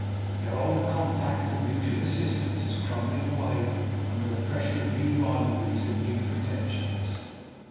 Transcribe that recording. Their old compact of mutual assistance is crumbling away under the pressure of new rivalries and new pretensions.